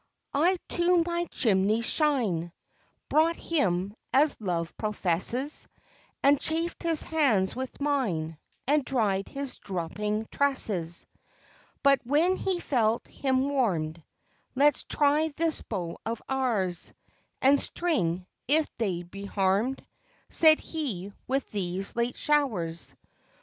I to my chimney's shine Brought him, as Love professes, And chafed his hands with mine, And dried his dropping tresses. But when he felt him warm'd, Let's try this bow of ours And string, if they be harm'd, Said he, with these late showers.